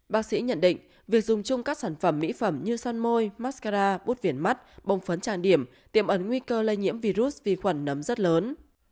bác sĩ nhận định việc dùng chung các sản phẩm mỹ phẩm như son môi mascara bút viển mắt bông phấn trang điểm tiệm ẩn nguy cơ lây nhiễm virus vi khuẩn nấm rất lớn